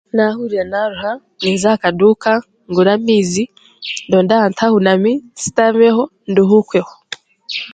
Naahuurira naaruha ninza aha kaduuka, ngura amaizi, ndonda ahantu hahunami, nshitameho, nduhukweho.